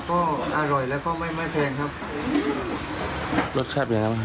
ก็อร่อยแล้วก็ไม่ไม่แพงครับรสชาติไปแล้ว